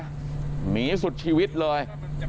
หนีสุดชีวิตเลย